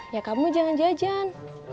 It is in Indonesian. ya kamu jangan jajan